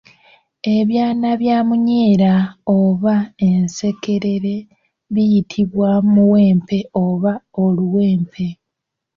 Ebyana bya munyeera oba ensekerere biyitibwa Muwempe oba Oluwempe.